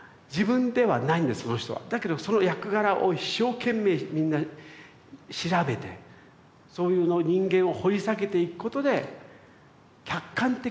だけどその役柄を一生懸命みんな調べてそういう人間を掘り下げていくことで客観的に人を見ていける。